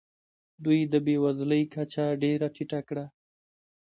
دوی د بې وزلۍ کچه ډېره ټیټه کړه.